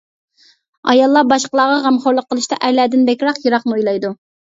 ئاياللار باشقىلارغا غەمخورلۇق قىلىشتا ئەرلەردىن بەكرەك يىراقنى ئويلايدۇ.